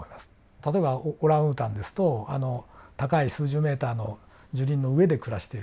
例えばオランウータンですと高い数十メーターの樹林の上で暮らしている。